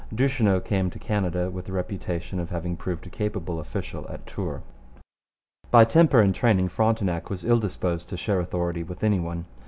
Duchesneau came to Canada with the reputation of having proved a capable official at Tours. By temper and training Frontenac was ill disposed to share authority with any one.